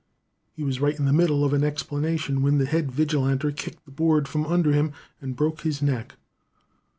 He was right in the middle of an explanation when the head vigilanter kicked the board from under him and broke his neck.